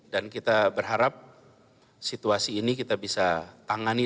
dan kita berharap situasi ini kita bisa tangani